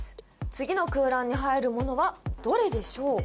次の空欄に入るものはどれでしょう